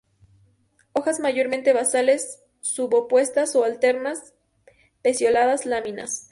Hojas mayormente basales, subopuestas o alternas, pecioladas, láminas.